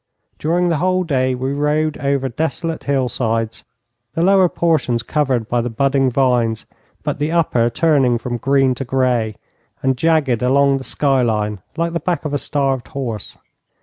During the whole day we rode over desolate hill sides, the lower portions covered by the budding vines, but the upper turning from green to grey, and jagged along the skyline like the back of a starved horse.